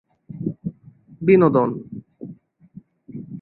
বিনোদন